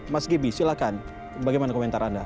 mas gibi silahkan bagaimana komentar anda